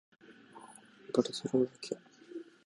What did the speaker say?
バルセロナ県の県都はバルセロナである